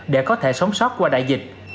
để có thể sống sót qua đại dịch